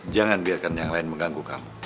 jangan biarkan yang lain mengganggu kamu